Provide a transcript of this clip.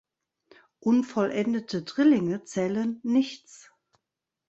Unvollendete Drillinge zählen nichts.